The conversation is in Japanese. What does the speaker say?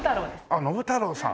あっ信太郎さん。